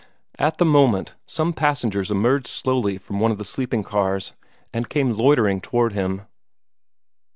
At the moment some passengers emerged slowly from one of the sleeping cars, and came loitering toward him.